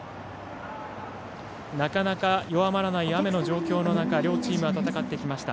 なかなか弱まらない雨の状況の中両チームは戦ってきました。